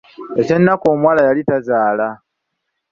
Eky'ennaku omuwala yali tazaala.